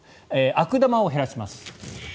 悪玉を減らします。